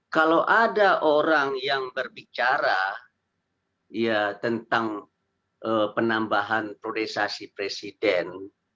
kalau ada orang yang berbicara tentang penambahan priorisasi presiden